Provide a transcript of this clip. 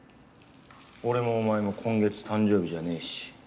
俺もお前も今月誕生日じゃねえし。